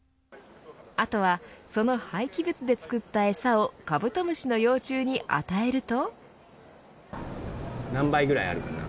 あとは、その廃棄物で作った餌をカブトムシの幼虫に与えると。